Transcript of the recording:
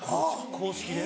・公式で？